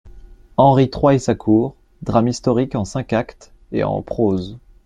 =Henri trois et sa cour.= Drame historique en cinq actes et en prose.